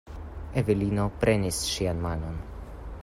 Evelino prenis ŝian manon.